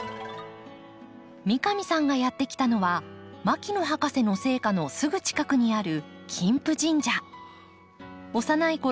三上さんがやって来たのは牧野博士の生家のすぐ近くにある幼いころ